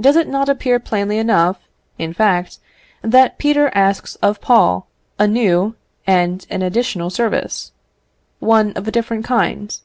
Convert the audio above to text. Does it not appear plainly enough, in fact, that Peter asks of Paul a new and an additional service; one of a different kind?